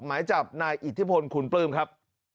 หมายจับนายอิทธิพลคุณปลื้มครับ